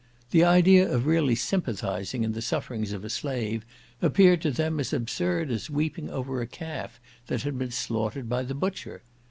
The idea of really sympathising in the sufferings of a slave appeared to them as absurd as weeping over a calf that had been slaughtered by the butcher.